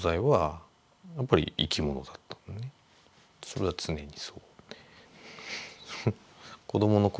それは常にそう。